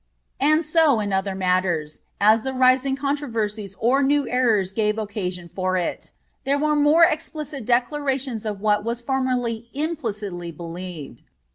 And so in other matters, as the rising controversies or new errors gave occasion for it, there were more explicit declarations of what was formerly implicitly believed.